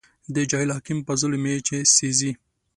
د جاهل حاکم په ظلم مې چې سېزې